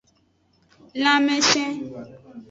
Lanmesen.